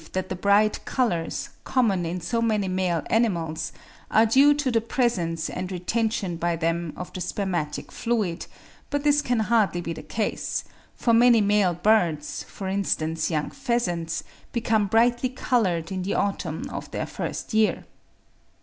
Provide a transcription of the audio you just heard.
306) that the bright colours, common in so many male animals, are due to the presence and retention by them of the spermatic fluid; but this can hardly be the case; for many male birds, for instance young pheasants, become brightly coloured in the autumn of their first year.)